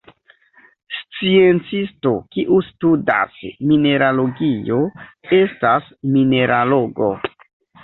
Sciencisto kiu studas mineralogio estas mineralogo.